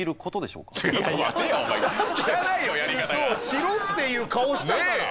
しろっていう顔したから。